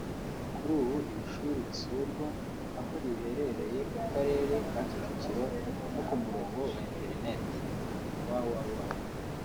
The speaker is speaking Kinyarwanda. Kuri ubu iri shuri risurwa aho riherereye mu karere ka Kicukiro no ku murongo wa Interineti www